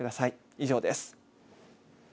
以上です。